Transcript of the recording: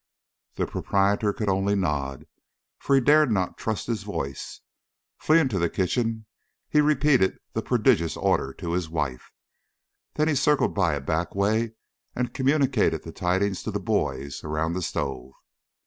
The proprietor could only nod, for he dared not trust his voice. Fleeing to the kitchen he repeated the prodigious order to his wife. Then he circled by a back way and communicated the tidings to the "boys" around the stove.